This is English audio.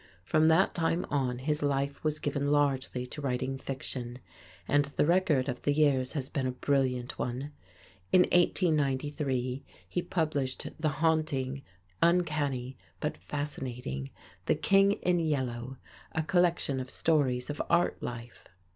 From that time on his life was given largely to writing fiction, and the record of the years has been a brilliant one. In 1893 he published the haunting, uncanny, but fascinating "The King in Yellow," a collection of stories of art life.